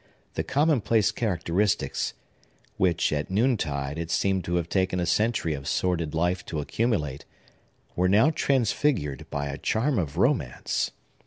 The commonplace characteristics—which, at noontide, it seemed to have taken a century of sordid life to accumulate—were now transfigured by a charm of romance.